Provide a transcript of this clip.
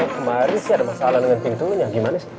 kemarin sih ada masalah dengan pintunya gimana sih